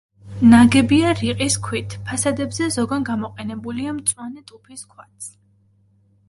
ნაგებია რიყის ქვით, ფასადებზე ზოგან გამოყენებულია მწვანე ტუფის ქვაც.